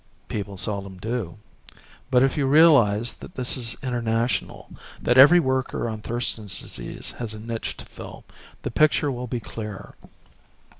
"People seldom do. But if you realize that this is international, that every worker on Thurston's Disease has a niche to fill, the picture will be clearer.